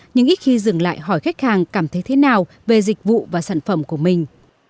nhưng ít khi dừng lại hỏi khách hàng cảm thấy thế nào về dịch vụ và sản phẩm của mình